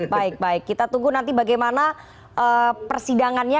baik baik kita tunggu nanti bagaimana persidangannya